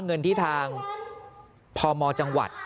เงินที่ทางพมจังหวัด